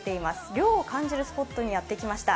涼を感じるスポットにやってきました。